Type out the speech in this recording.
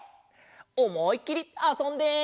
おもいっきりあそんで。